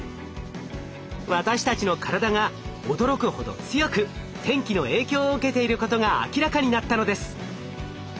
私たちの体が驚くほど強く天気の影響を受けていることが明らかになったのです。